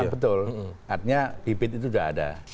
ya betul artinya bibit itu sudah ada